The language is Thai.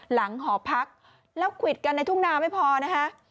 หลังหอพักแล้วขุดกันในทุกนาไม่พอนะคะ